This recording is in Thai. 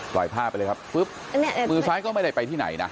ภาพไปเลยครับปุ๊บมือซ้ายก็ไม่ได้ไปที่ไหนนะ